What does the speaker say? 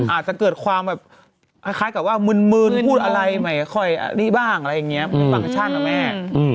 อาจจะเกิดความคล้ายกับว่ามืนมืนพูดอะไรใหม่ค่อยรีบ้างอะไรอย่างนี้บางช่างนะแม่